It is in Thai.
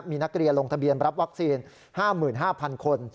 มีนักเรียนลงทะเบียนรับวัคซีน๕๕๐๐คน